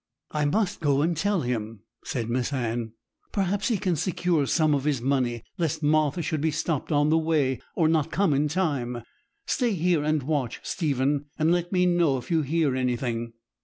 'I must go and tell him,' said Miss Anne; 'perhaps he can secure some of his money, lest Martha should be stopped on the way, or not come in time. Stay here and watch, Stephen, and let me know if you hear anything.'